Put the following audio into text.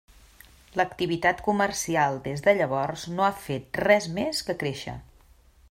L'activitat comercial des de llavors no ha fet res més que créixer.